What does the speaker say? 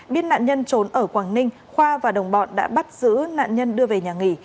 biết nạn nhân trốn ở quảng ninh khoa và đồng bọn đã bắt giữ nạn nhân đưa về nhà nghỉ